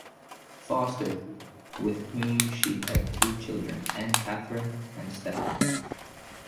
Foster, with whom she has two children, Anne-Catherine and Stephen.